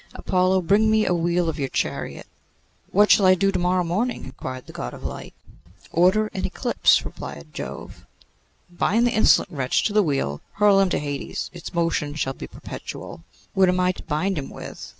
'Apollo, bring me a wheel of your chariot.' 'What shall I do to morrow morning?' inquired the God of Light. 'Order an eclipse,' replied Jove. 'Bind the insolent wretch to the wheel; hurl him to Hades; its motion shall be perpetual.' 'What am I to bind him with?